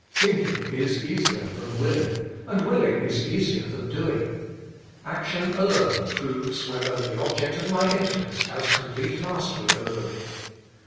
Think ing is easier than willing, and willing is easier than doing. Action alone proves whether the object of my interest has complete mastery over me.